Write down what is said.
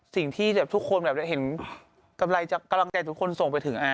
สิ่งที่ทุกคนแบบเห็นกำลังใจทุกคนส่งไปถึงแอร์